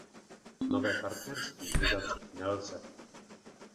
Nové partnerství uzavřít nelze.